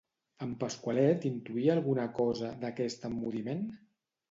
En Pasqualet intuïa alguna cosa, d'aquest emmudiment?